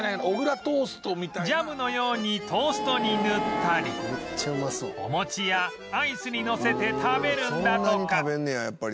ジャムのようにトーストに塗ったりお餅やアイスにのせて食べるんだとか